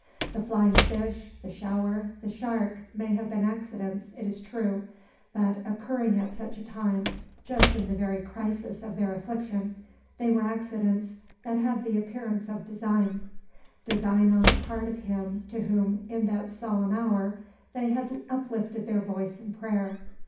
The flying fish, the shower, the shark may have been accidents, it is true; but, occurring at such a time, just in the very crisis of their affliction, they were accidents that had the appearance of design, design on the part of Him to whom in that solemn hour they had uplifted their voices in prayer.